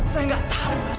saya gak tahu mas